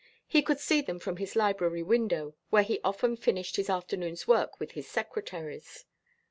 He could see them from his library window, where he often finished his afternoon's work with his secretaries.